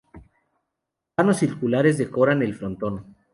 Vanos circulares decoran el frontón.